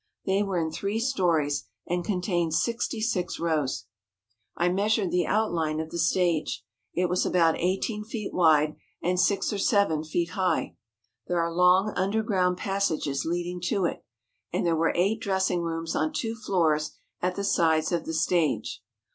They were in three stories and contained sixty six rows. I measured the outline of the stage. It was about eighteen feet wide and six or seven feet high. There are long underground passages leading to it, and there were eight dressing rooms on two floors at the sides of the stage.